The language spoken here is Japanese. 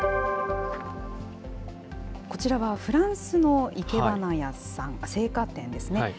こちらはフランスの生け花屋さん、生花店ですね。